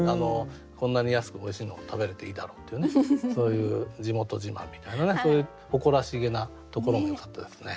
こんなに安くおいしいのを食べれていいだろうっていうそういう地元自慢みたいなそういう誇らしげなところもよかったですね。